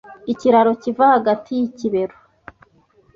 Ikiraro kiva hagati yikibero